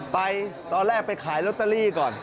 ไปตอนแรกไปขายลอตเตอรี่ก่อน